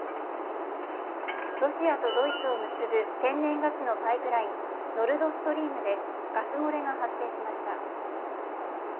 ロシアとドイツを結ぶ天然ガスのパイプライン、ノルドストリームでガス漏れが発生しました。